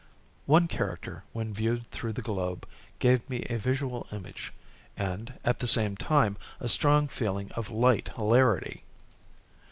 "One character when viewed through the globe gave me a visual image and, at the same time, a strong feeling of light hilarity."